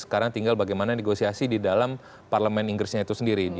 sekarang tinggal bagaimana negosiasi di dalam parlemen inggrisnya itu sendiri